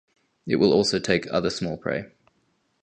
It will also take other small prey.